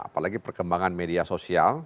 apalagi perkembangan media sosial